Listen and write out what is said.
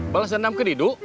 balas dendam ke didu